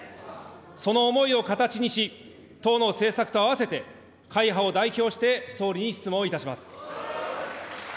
その思いを形にし、党の政策と合わせて、会派を代表して総理に質問いたします。